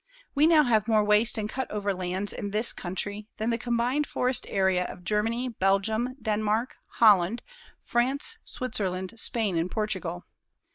We now have more waste and cut over lands in this country than the combined forest area of Germany, Belgium, Denmark, Holland, France, Switzerland, Spain and Portugal.